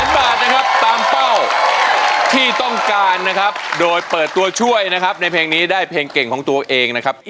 บาทนะครับตามเป้าที่ต้องการนะครับโดยเปิดตัวช่วยนะครับในเพลงนี้ได้เพลงเก่งของตัวเองนะครับ